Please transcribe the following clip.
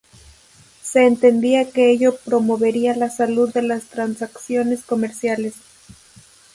Se entendía que ello promovería la salud de las transacciones comerciales.